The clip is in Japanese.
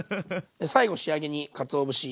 最後仕上げにかつおぶし。